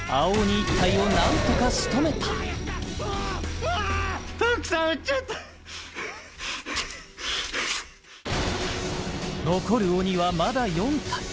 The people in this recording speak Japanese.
１体を何とか仕留めた残る鬼はまだ４体